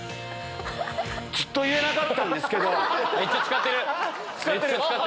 ずっと言えなかったんですけど。